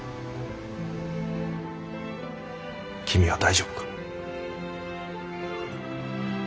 君は大丈夫か？